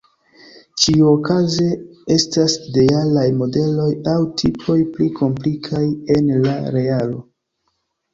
Ĉiuokaze, estas idealaj modeloj aŭ tipoj, pli komplikaj en la realo.